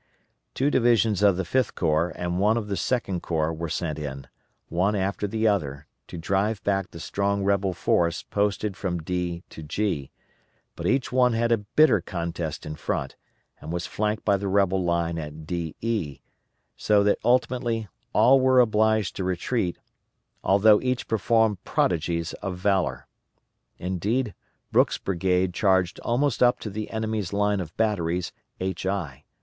Two divisions of the Fifth Corps and one of the Second Corps were sent in, one after the other, to drive back the strong rebel force posted from D to G, but each one had a bitter contest in front, and was flanked by the rebel line at DE, so that ultimately all were obliged to retreat, although each performed prodigies of valor. Indeed, Brooks' brigade charged almost up to the enemy's line of batteries, HI.